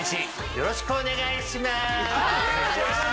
よろしくお願いします。